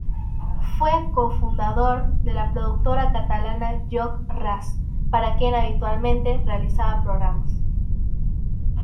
Fue cofundador de la productora catalana Joc-Ras, para quien habitualmente realizaba programas.